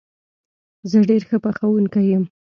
زه ډېر ښه پخوونکی یم